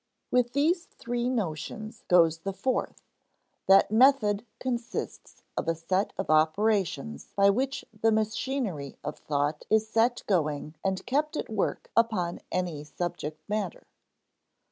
With these three notions goes the fourth, that method consists of a set of operations by which the machinery of thought is set going and kept at work upon any subject matter.